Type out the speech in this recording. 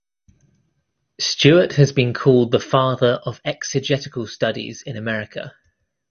Stuart has been called the father of exegetical studies in America.